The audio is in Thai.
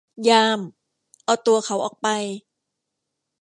ยาม เอาตัวเขาออกไป !